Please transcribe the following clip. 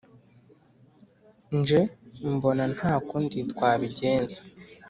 nje mbona nta kundi twabigenza